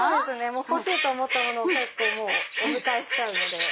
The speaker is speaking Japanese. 欲しいと思ったものをお迎えしちゃうので。